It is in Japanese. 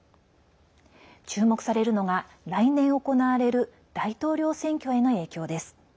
注目されるのが、来年行われる大統領選挙への影響です。